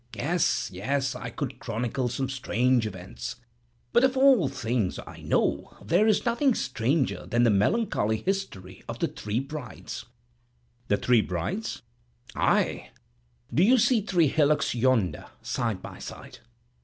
Yes, yes, I could chronicle some strange events. But of all things I know, there is nothing stranger than the melancholy history of the three brides." "The three brides?" "Ay. Do you see three hillocks yonder, side by side?